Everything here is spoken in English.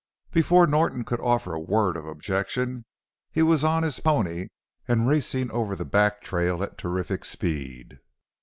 Before Norton could offer a word of objection he was on his pony and racing over the back trail at terrific speed.